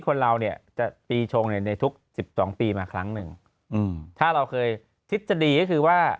คนเราเนี่ยจะปีชงในในทุกสิบสองปีมาครั้งหนึ่งอืมถ้าเราเคยคิดจะดีก็คือว่า